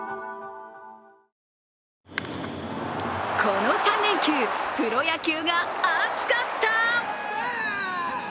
この３連休、プロ野球が熱かった！